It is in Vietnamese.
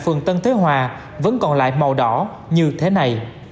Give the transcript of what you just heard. phường tân thế hòa vẫn còn lại màu đỏ như thế này